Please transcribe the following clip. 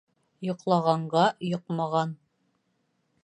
Йоҡлағанға йоҡмаған.